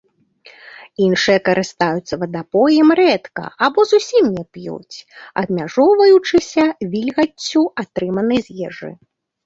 Іншыя карыстаюцца вадапоем рэдка або зусім не п'юць, абмяжоўваючыся вільгаццю, атрыманай з ежы.